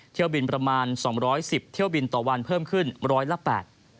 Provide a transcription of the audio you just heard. เที่ยวบินประมาณ๒๑๐เที่ยวบินต่อวันเพิ่มขึ้นร้อยละ๘